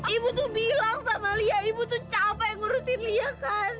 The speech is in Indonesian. ibu tuh bilang sama lia ibu tuh capek ngurusin lia kan